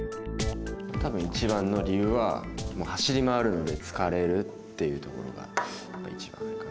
多分一番の理由は走り回るので疲れるっていうところが一番あれかな。